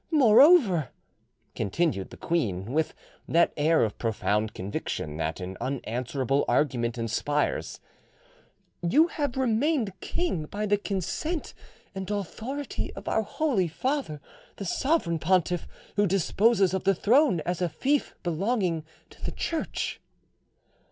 Moreover," continued the queen, with that air of profound conviction that an unanswerable argument inspires, "you have remained king by the consent and authority of our Holy Father the sovereign pontiff, who disposes of the throne as a fief belonging to the Church."